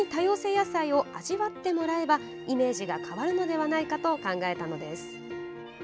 野菜を味わってもらえばイメージが変わるのではないかと考えたのです。